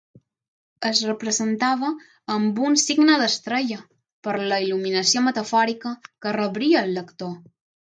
Es representava amb un signe d'estrella, per la il·luminació metafòrica que rebria el lector.